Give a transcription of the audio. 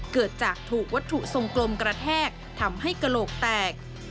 เกิดจากถูกวัตถุทรงกลมกระแทกทำให้กระโหลกแตก